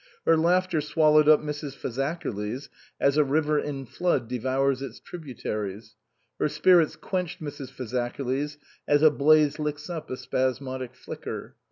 Her laughter swallowed up Mrs. Fazakerly's as a river in flood devours its tribu taries ; her spirits quenched Mrs. Fazakerly's as a blaze licks up a spasmodic flicker.